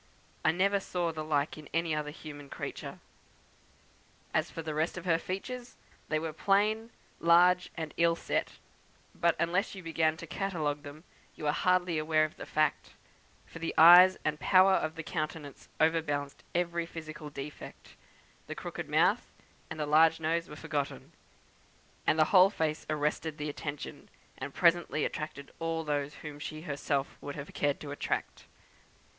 I never saw the like in any other human creature. As for the rest of her features, they were plain, large, and ill set; but, unless you began to catalogue them, you were hardly aware of the fact, for the eyes and power of the countenance over balanced every physical defect; the crooked mouth and the large nose were forgotten, and the whole face arrested the attention, and presently attracted all those whom she herself would have cared to attract.